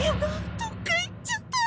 どっか行っちゃった！